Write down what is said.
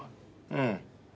うん。